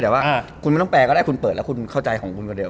แต่ว่าคุณไม่ต้องแปลก็ได้คุณเปิดแล้วคุณเข้าใจของคุณคนเดียว